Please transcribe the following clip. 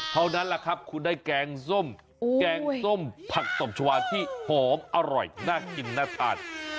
เท่านั้นแหละครับคุณได้แกงส้มแกงส้มผักตบชาวาที่หอมอร่อยน่ากินน่าทาน